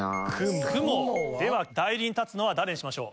では代理に立つのは誰にしましょう？